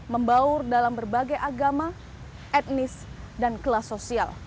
membaur dalam berbagai agama etnis dan kelas sosial